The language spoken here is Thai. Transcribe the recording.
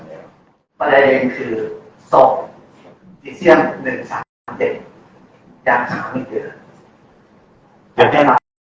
ประเด็นคือศพพิเศษ๑๓๗อย่างสามไม่เจอ